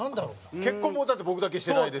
結婚もだって僕だけしてないですし。